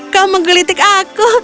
kau menggelitik aku